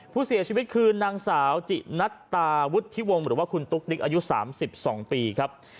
ผู้เสียชีวิตคือนางสาวจินัตตาวุฒิวงศ์หรือว่าคุณตุ๊กติ๊กอายุ๓๒ปีครับ